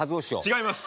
違います。